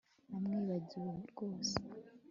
Namwibagiwe rwose